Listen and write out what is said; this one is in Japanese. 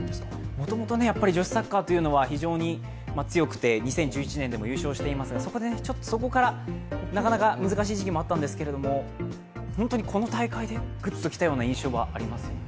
もともと女子サッカーというのは非常に強くて、２０１１年優勝していますが、そこからなかなか難しい時期もあったんですけど本当にこの大会でグッときたような印象がありますよね。